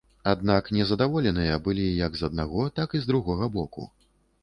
Аднак незадаволеныя былі як з аднаго, так і з другога боку.